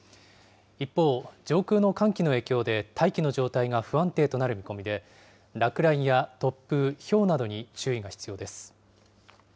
一方、上空の寒気の影響で大気の状態が不安定となる見込みで、落雷や突風、ひょうなどに注意が必要です。